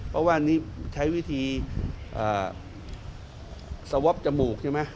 เพราะว่านี่ใช้วิธีสวอปจมูกใช่ไหม